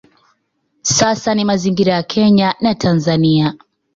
Sasa ni mazingira ya Kenya na Tanzania